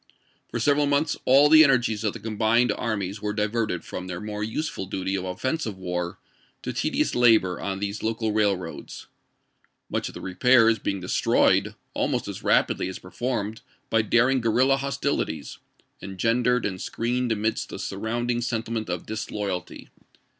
For several months all the energies of the combined armies were diverted from their more useful duty of offensive war to tedious labor on these local railroads ;^ much of the repairs be ing destroyed, almost as rapidly as performed, by daring guerrilla hostilities, engendered and screened amidst the surrounding sentiment of disloyalty.